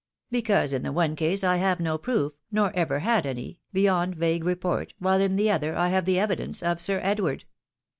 "Because in the one case I have no proof, nor ever had any, beyond vague report, while ia the other I have the evidence of Sir Edward."